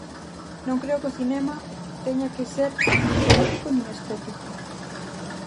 Non creo que o cinema teña que ser nin político nin estético.